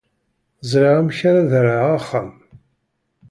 Ẓriɣ amek ara d-rreɣ axxam!